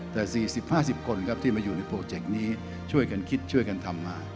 แต่๔๐๕๐คนครับที่มาอยู่ในโปรเจกต์นี้ช่วยกันคิดช่วยกันทำมา